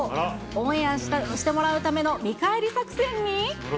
オンエアしてもらうための見返り作戦に。